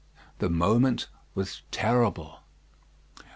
The moment was terrible.